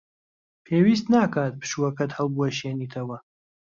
پێویست ناکات پشووەکەت هەڵبوەشێنیتەوە.